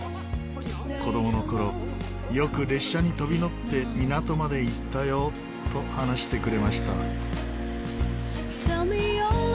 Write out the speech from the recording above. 子どもの頃よく列車に飛び乗って港まで行ったよと話してくれました。